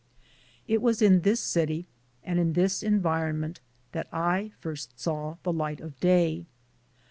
It was in this city and in this environment that I first saw the light of day.